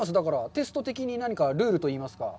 テスト的に、何かルールといいますか。